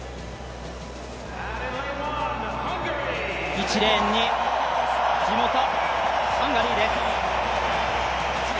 １レーンに地元ハンガリーです。